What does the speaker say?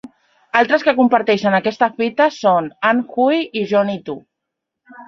Altres que comparteixen aquesta fita són Ann Hui i Johnnie To.